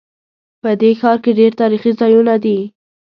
په دې ښار کې ډېر تاریخي ځایونه دي